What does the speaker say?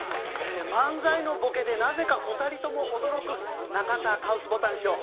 漫才のボケでなぜか２人とも驚く中田カウス・ボタン師匠。